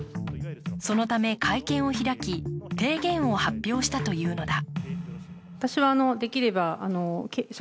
そのため会見を開き提言を発表したというのだ。